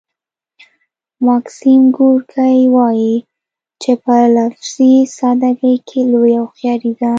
ماکسیم ګورکي وايي چې په لفظي ساده ګۍ کې لویه هوښیاري ده